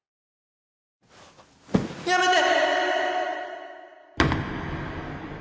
やめて！